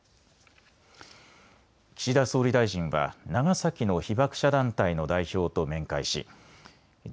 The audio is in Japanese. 岸田総理大臣は長崎の被爆者団体の代表と面会しＧ